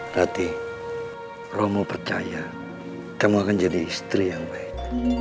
hati romo percaya kamu akan jadi istri yang baik